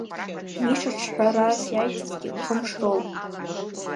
Миша ҽҳәарас иаиҭазгьы хымш роуп.